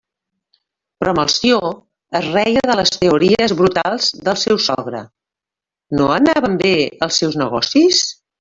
Però Melcior es reia de les teories brutals del seu sogre, No anaven bé els seus negocis?